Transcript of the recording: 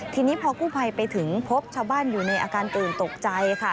ทีนี้พอกู้ภัยไปถึงพบชาวบ้านอยู่ในอาการตื่นตกใจค่ะ